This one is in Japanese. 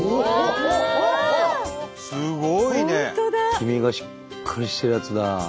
黄身がしっかりしてるやつだ。